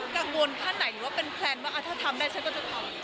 ข้างไหนหรือว่าเป็นแพลนว่าถ้าทำได้ฉันก็จะทำ